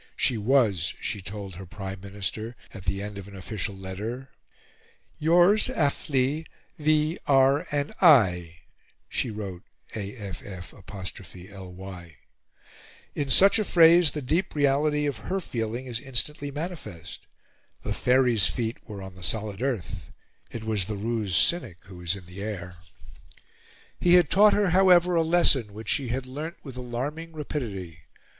She was, she told her Prime Minister, at the end of an official letter, "yours aff'ly V. R. and I." In such a phrase the deep reality of her feeling is instantly manifest. The Faery's feet were on the solid earth; it was the ruse cynic who was in the air. He had taught her, however, a lesson, which she had learnt with alarming rapidity.